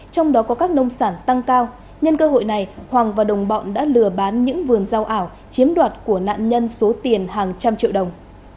trong đó có các nông sản tăng cao nhân cơ hội này hoàng và đồng bọn đã lừa bán những vườn rau ảo chiếm đoạt của nạn nhân số tiền hàng trăm triệu đồng